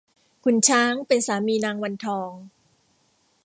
ขุนช้างเป็นสามีนางวันทอง